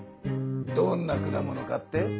どんな果物かって？